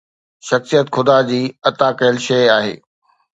شخصيت خدا جي عطا ڪيل شيءِ آهي.